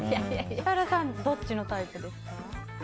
設楽さんどっちのタイプですか？